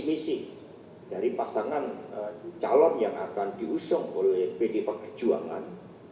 visi dari pasangan calon yang akan diusung oleh fgd pekerjuangan